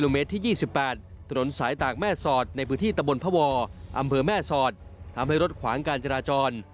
อำเภอแม่สอดทำให้รถขวางการจราจร